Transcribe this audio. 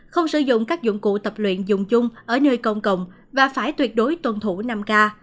không sử dụng các dụng cụ tập luyện dùng chung ở nơi công cộng và phải tuyệt đối tuân thủ năm k